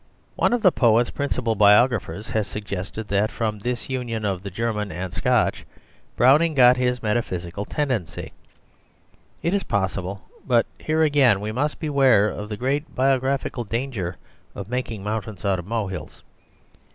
One of the poet's principal biographers has suggested that from this union of the German and Scotch, Browning got his metaphysical tendency; it is possible; but here again we must beware of the great biographical danger of making mountains out of molehills.